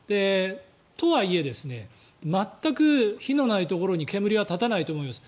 とはいえ、全く火のないところに煙は立たないと思います。